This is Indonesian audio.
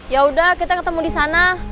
yaudah kita ketemu di sana